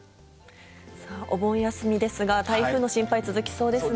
お盆休みですが、台風の心配、そうですね。